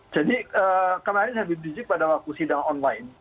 jadi kemarin habib rizik pada waktunya sidang online